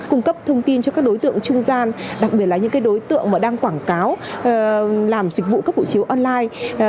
cung cấp thông tin cho các đối tượng trung gian đặc biệt là những đối tượng đang quảng cáo làm dịch vụ cấp hộ chiếu online